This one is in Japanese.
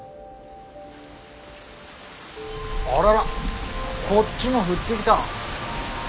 あららこっちも降ってきた。